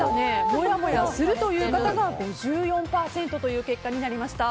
もやもやするという方が５４％という結果になりました。